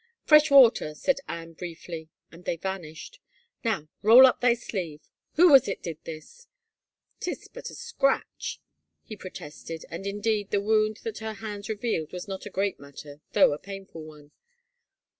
" Fresh water," said Anne briefly and they vanished. Now roll up thy sleeve — who was it did this ?" Tis but a scratch," he protested and indeed the wound that her hands revealed was not a great matter though a painful one.